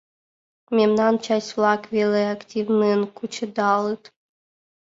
Мемнан часть-влак веле активнын кучедалыт.